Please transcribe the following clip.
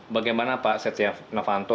bagaimana pak setiaw nafanto